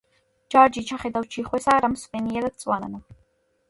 ჯარჯი ჩახედავს ჯიხვესა რა მსვენიერად წვანანო